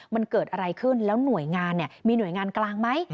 มันเกิดอะไรขึ้นแล้วหน่วยงานมีหน่วยงานกลางไหม